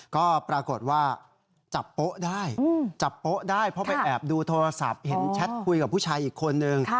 ก็ปรากฏว่าจับโป๊ะได้จับโป๊ะได้เพราะไปแอบดูโทรศัพท์เห็นแชทคุยกับผู้ชายอีกคนนึง